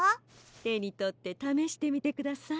てにとってためしてみてください。